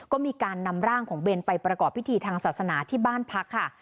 ก็มีการนำร่างของเบนไปประกอบพิธีทางศาสนาที่บ้านพักค่ะ